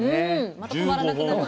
また止まらなくなる。